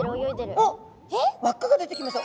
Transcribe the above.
おっ輪っかが出てきました。